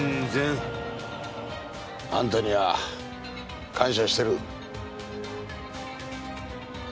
あんたには感謝してる。